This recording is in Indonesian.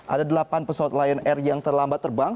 ada delapan pesawat lion air yang terlambat terbang